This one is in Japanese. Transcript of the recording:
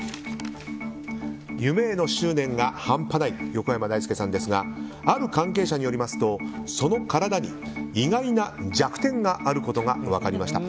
夢への執念が半端ない横山だいすけさんですがある関係者によりますとその体に意外な弱点があることが分かりました。